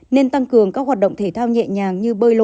nên tăng cường các hoạt động thể thao nhẹ nhàng như bơi lội đi bộ